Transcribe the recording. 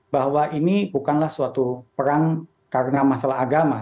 bahwa ini bukanlah suatu perang karena masalah agama